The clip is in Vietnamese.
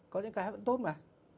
có những cái vẫn tốt mà